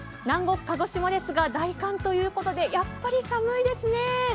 南国鹿児島ですが大寒ということでやっぱり寒いですね。